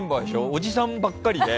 おじさんばっかりで。